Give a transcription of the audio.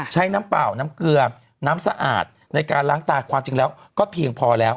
น้ำเปล่าน้ำเกลือน้ำสะอาดในการล้างตาความจริงแล้วก็เพียงพอแล้ว